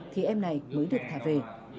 thì em này mới được thả về